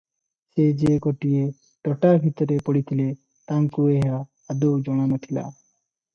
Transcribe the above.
ସେ ଯେ ଗୋଟିଏ ତୋଟା ଭିତରେ ପଡ଼ିଥିଲେ ତାଙ୍କୁ ଏହା ଆଦୌ ଜଣା ନଥିଲା ।